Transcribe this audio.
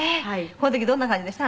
この時どんな感じでした？